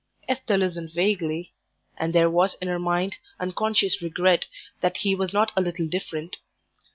Esther listened vaguely; and there was in her mind unconscious regret that he was not a little different.